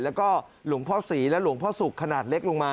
แล้วก็หลวงพ่อศรีและหลวงพ่อสุขขนาดเล็กลงมา